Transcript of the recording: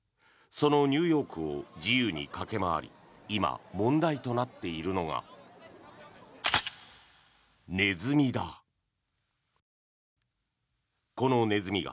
そのニューヨークを自由に駆け回り今、問題となっているのがネズミだ。